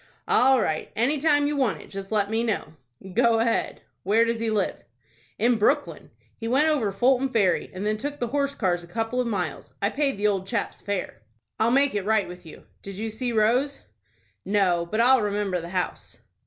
"All right. Any time you want it, just let me know." "Go ahead. Where does he live?" "In Brooklyn. We went over Fulton Ferry, and then took the horse cars a couple of miles. I paid the old chap's fare." "I'll make it right with you. Did you see Rose?" "No; but I'll remember the house."